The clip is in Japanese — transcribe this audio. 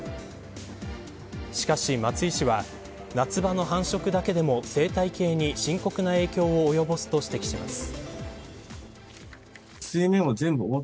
しかし松井氏は夏場の繁殖だけでも生態系に深刻な影響を及ぼすと指摘します。